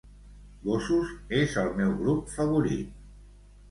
Gossos és el meu grup favorit.